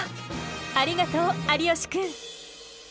ありがとう有吉くん。